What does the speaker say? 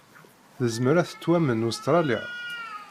Tezmer ad tettwamen Ustṛalya?